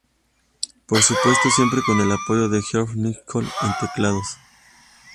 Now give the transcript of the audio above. Por supuesto, siempre con el apoyo de Geoff Nicholls en teclados.